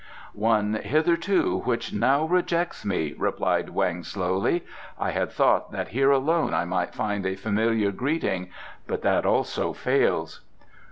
"One hitherto which now rejects me," replied Weng slowly. "I had thought that here alone I might find a familiar greeting, but that also fails."